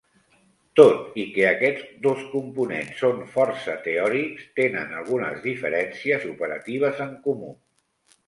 Tot i que aquests dos components són força teòrics, tenen algunes diferències operatives en comú.